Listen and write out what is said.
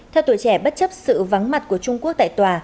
theo tuổi trẻ bất chấp sự vắng mặt của trung quốc tại tòa